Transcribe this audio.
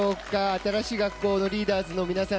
新しい学校のリーダーズの皆さん